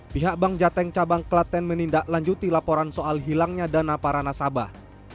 pihak bank jateng cabang klaten menindaklanjuti laporan soal hilangnya dana para nasabah